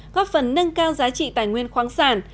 góp phần nâng cao giá trị tài nguyên khoáng sản